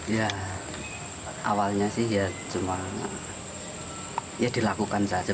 ya awalnya sih ya cuma ya dilakukan saja